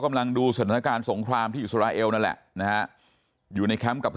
ดูสถานการณ์สงครามที่อิสราเอลนั่นแหละนะฮะอยู่ในแคมป์กับ